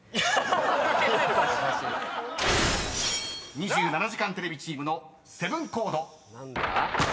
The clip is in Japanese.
［２７時間テレビチームのセブンコード］